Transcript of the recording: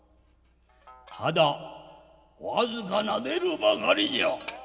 ただ僅かなでるばかりじゃ」。